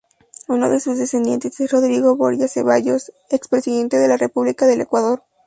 Uno de sus descendientes es Rodrigo Borja Cevallos, expresidente de la República del Ecuador.